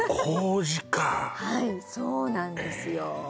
はいそうなんですええ